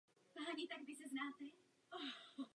K absorpci tuků dochází pouze v tenkém střevě.